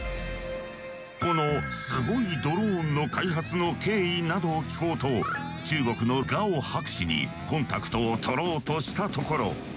このスゴいドローンの開発の経緯などを聞こうと中国のガオ博士にコンタクトを取ろうとしたところ。